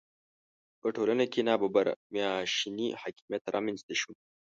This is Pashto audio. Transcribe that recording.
په ټولنه کې ناببره ماشیني حاکمیت رامېنځته شو.